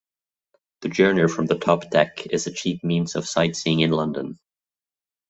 The journey from the top deck is a cheap means of sightseeing in London.